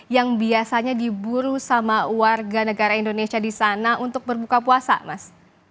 yang biasanya diburu sama warga negara indonesia di sana untuk berbuka puasa mas